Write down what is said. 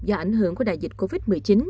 do ảnh hưởng của đại dịch covid một mươi chín